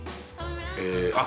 えあっ